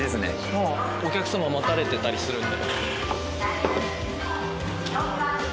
もうお客様待たれてたりするので。